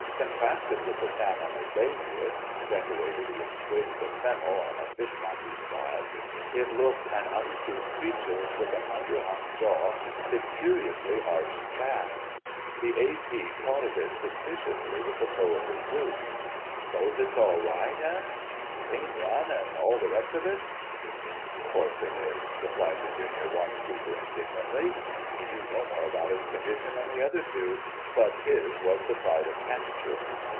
Contrasted with the salmon as they knew it—decorated with sprigs of fennel on a fishmonger's slab—it looked an uncouth creature, with an underhung jaw and a curiously arched back. The A.P. prodded it suspiciously with the toe of his boot. "'S'pose it's all right—eh? Clean run, an' all the rest of it?" "Course it is," replied the Junior Watchkeeper indignantly. He knew no more about its condition than the other two, but his was all the pride of capture.